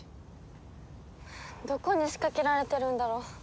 どこに仕掛けられてるんだろう？